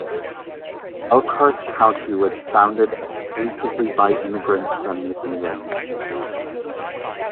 Elkhart County was founded exclusively by immigrants from New England.